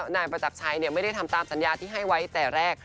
นายประจักรชัยไม่ได้ทำตามสัญญาที่ให้ไว้แต่แรก